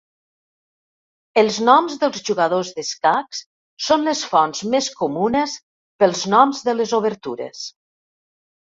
Els noms dels jugadors d'escacs són les fonts més comunes pels noms de les obertures.